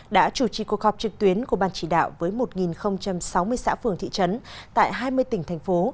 đã chủ trì cuộc họp trực tuyến của ban chỉ đạo với một sáu mươi xã phường thị trấn tại hai mươi tỉnh thành phố